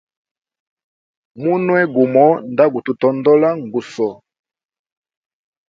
Munwe gumo nda gu mutondola nguso.